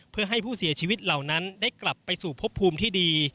เพื่อให้ผู้เสียชีวิตเหล่านั้นได้กลับไปสู่พบภูมิที่ดี